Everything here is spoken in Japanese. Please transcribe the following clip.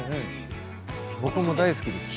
僕も大好きですよ。